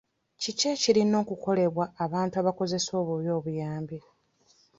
Kiki ekirina okukolebwa abantu abakozesa obubi obuyambi?